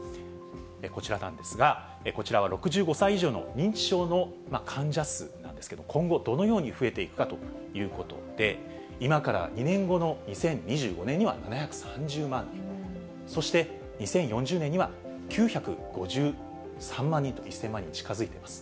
こちらなんですが、こちらは６５歳以上の認知症の患者数なんですけど、今後、どのように増えていくかということで、今から２年後の２０２５年には７３０万人、そして２０４０年には９５３万人と、１０００万人に近づいています。